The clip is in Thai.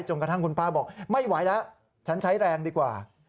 กระทั่งคุณป้าบอกไม่ไหวแล้วฉันใช้แรงดีกว่า